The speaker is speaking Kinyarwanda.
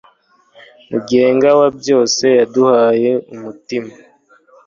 mugenga wa byose, yaduhaye umutima